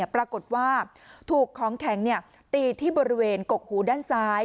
ปรากฏว่าถูกของแข็งตีที่บริเวณกกหูด้านซ้าย